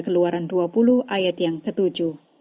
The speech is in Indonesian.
keluaran dua puluh ayat yang ketujuh